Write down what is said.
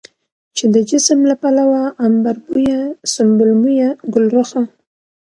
چې د جسم له پلوه عنبربويه، سنبل مويه، ګلرخه،